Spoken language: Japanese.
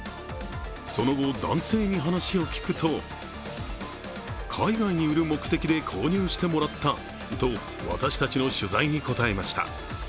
その後、男性に話を聞くと海外に売る目的で購入してもらったと、私たちの取材に答えました。